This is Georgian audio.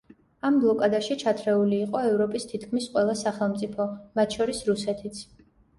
ამ ბლოკადაში ჩათრეული იყო ევროპის თითქმის ყველა სახელმწიფო, მათ შორის რუსეთიც.